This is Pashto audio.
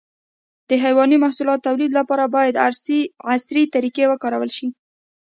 د حيواني محصولاتو د تولید لپاره باید عصري طریقې وکارول شي.